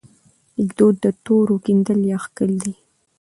لیکدود د تورو کیندل یا کښل دي.